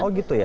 oh gitu ya